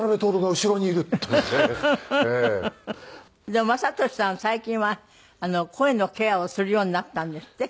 でも雅俊さんは最近は声のケアをするようになったんですって？